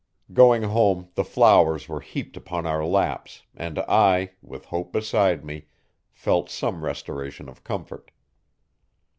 Going home the flowers were heaped upon our laps and I, with Hope beside me, felt some restoration of comfort.